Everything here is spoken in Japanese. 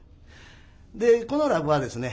この落語はですね